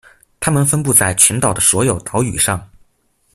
它们分布在群岛的所有岛屿上。